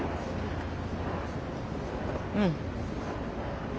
うん。